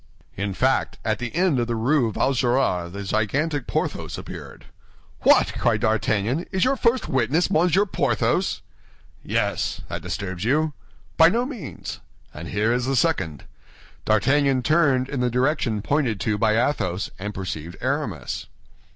In fact, at the end of the Rue Vaugirard the gigantic Porthos appeared. "What!" cried D'Artagnan, "is your first witness Monsieur Porthos?" "Yes, that disturbs you?" "By no means." "And here is the second." D'Artagnan turned in the direction pointed to by Athos, and perceived Aramis.